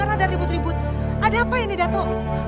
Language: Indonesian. karena ada ribut ribut ada apa ini dato